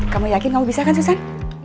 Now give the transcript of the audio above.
kamu yakin kamu bisa kan susah